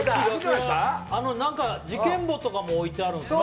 なんか事件簿とかも置いてあるんですね。